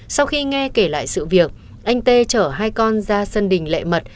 sau khi nghe kể lại sự việc anh tê chở hai con ra sân đình lệ mật